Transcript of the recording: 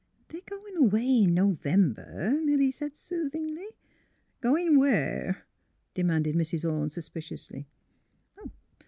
" They're going away in November," Milly said, soothingly, '' Goin' where? " demanded Mrs. Orne, sus piciously.